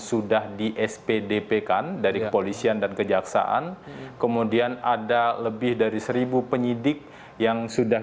sudah di spdp kan dari kepolisian dan kejaksaan kemudian ada lebih dari seribu penyidik yang sudah